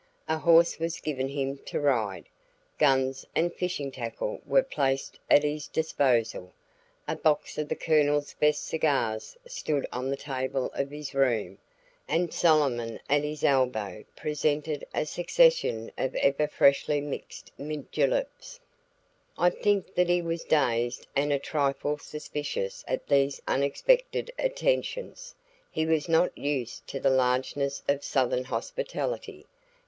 A horse was given him to ride, guns and fishing tackle were placed at his disposal, a box of the Colonel's best cigars stood on the table of his room, and Solomon at his elbow presented a succession of ever freshly mixed mint juleps. I think that he was dazed and a trifle suspicious at these unexpected attentions; he was not used to the largeness of Southern hospitality.